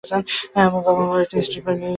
আমার বাবা-মা বলল এটা স্ট্রিপার মিউজিক।